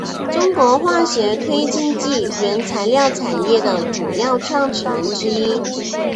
中国化学推进剂原材料产业的主要创始人之一。